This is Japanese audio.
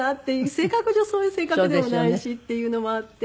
性格上そういう性格でもないしっていうのもあって。